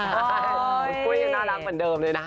กุ้ยน่ารักเหมือนเดิมเลยนะ